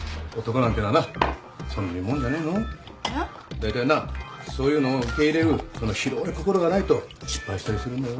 だいたいなそういうのを受け入れるその広い心がないと失敗したりするんだよ。